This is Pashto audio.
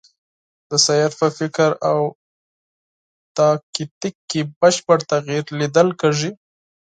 د سید په فکر او تاکتیک کې بشپړ تغییر لیدل کېږي.